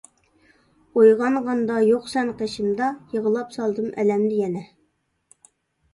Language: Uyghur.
ئويغانغاندا يوق سەن قېشىمدا، يىغلاپ سالدىم ئەلەمدە يەنە.